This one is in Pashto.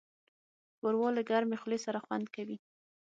ښوروا له ګرمې خولې سره خوند کوي.